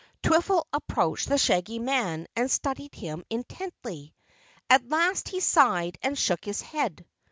Twiffle approached the Shaggy Man and studied him intently. At last he sighed and shook his head.